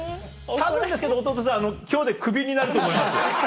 たぶんですけど弟さん今日でクビになると思います。